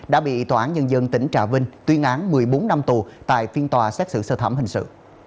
đã bị tòa án nhân dân tỉnh trà vinh tuyên án một mươi bốn năm tù tại phiên tòa xét xử sơ thẩm hình sự